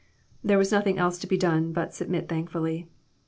There was nothing else to be done but submit thankfully.